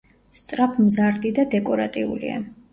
სწრაფმზარდი და დეკორატიულია.